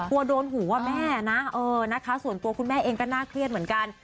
กลัวโดนหูว่าแม่นะเออนะคะส่วนตัวคุณแม่เองก็น่าเครียดเหมือนกัน